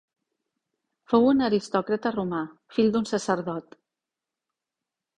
Fou un aristòcrata romà, fill d'un sacerdot.